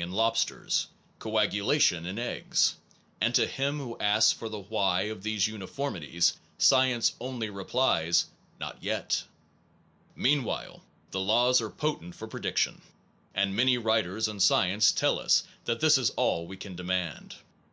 202 NOVELTY AND CAUSATION lation in eggs; and to him who asks for the Why of these uniformities, science only replies: Positivism Not yet ! Meanwhile the laws are potent for prediction, and many writers on science tell us that this is all we can demand.